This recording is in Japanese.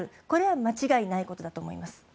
これは間違いないことだと思います。